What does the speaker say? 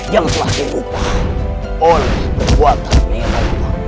yang telah dirubah oleh buatan merah